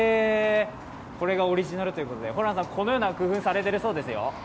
これがオリジナルということでこのような工夫をされているようですよ。